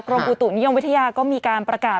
อุตุนิยมวิทยาก็มีการประกาศ